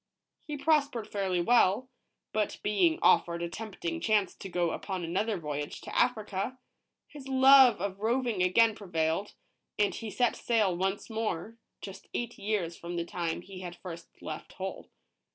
He prospered fairly well, but being offered a tempting chance to go upon another voyage to Africa, his love of roving again prevailed, and he set sail once more, just eight years from the time he had first left Hull.